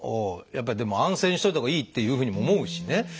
やっぱりでも安静にしといたほうがいいっていうふうにも思うしね。